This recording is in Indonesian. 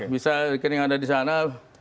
bisa rekening ada di sana